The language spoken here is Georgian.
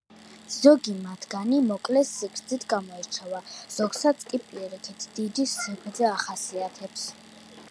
ზოგი მათგანი მოკლე სიგრძით გამოირჩევა, ზოგსაც კი პირიქით, დიდი სიგრძე ახასიათებს.